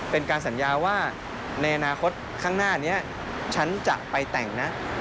เป็นการสัญญาว่าในอนาคตข้างหน้านี้ฉันจะไปแต่งนะ